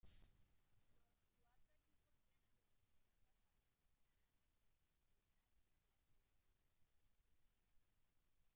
Los cuatro equipos ganadores de esta fase pasarán a disputar la semifinal.